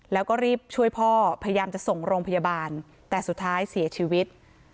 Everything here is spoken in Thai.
แล้วก็รีบช่วยพ่อพยายามจะส่งโรงพยาบาลแต่สุดท้ายเสียชีวิต